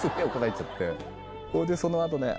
それでその後ね